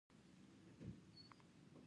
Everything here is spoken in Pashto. ایا زما ګوتې به ښې شي؟